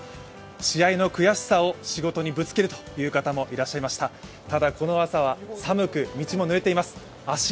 試合の悔しさを仕事にぶつけるという方もいらっしゃいました。